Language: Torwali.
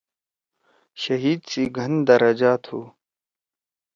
شہیِٕد سی گھن درجا تُھو۔